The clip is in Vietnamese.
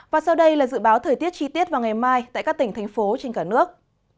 và sau đây là dự báo thời tiết chi tiết vào ngày mai tại các tỉnh thành phố trên cả nước